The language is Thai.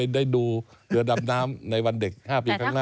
ได้ดูเรือดำน้ำในวันเด็ก๕ปีข้างหน้า